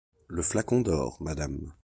Le flacon d’or, madame !